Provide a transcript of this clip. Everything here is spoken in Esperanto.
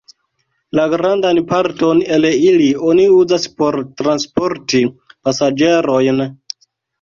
La grandan parton el ili oni uzas por transporti pasaĝerojn.